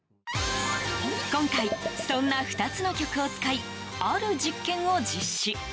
今回そんな２つの曲を使いある実験を実施。